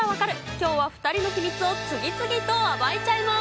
きょうは２人の秘密を次々と暴いちゃいます。